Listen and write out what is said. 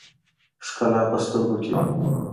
ښکلا په سترګو کښې وي